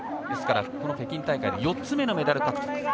ですから北京大会で４つ目のメダル獲得。